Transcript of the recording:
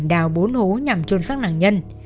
đào bốn hố nhằm trôn sắc nàng nhân